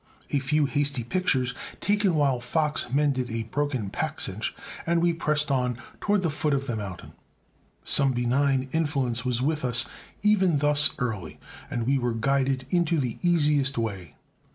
A few hasty pictures, taken while Fox mended a broken pack cinch, and we pressed on toward the foot of the mountain. Some benign influence was with us even thus early, and we were guided into the easiest way.